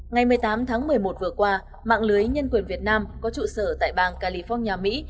ngày một mươi tám tháng một mươi một vừa qua mạng lưới nhân quyền việt nam có trụ sở tại bang california mỹ